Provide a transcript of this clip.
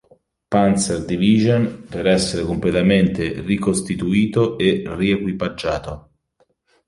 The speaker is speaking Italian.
Panzer-Division per essere completamente ricostituito e riequipaggiato.